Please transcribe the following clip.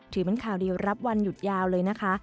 ถือเป็นข่าวดีรับวันหยุดยาวเลยนะคะ